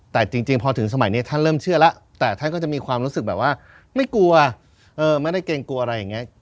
แต่จริงพอถึงสมัยนี้ท่านเริ่มเชื่อแล้วแต่ท่านก็จะมีความรู้สึกแบบว่าไม่กลัวไม่ได้เกรงกลัวอะไรอย่างนี้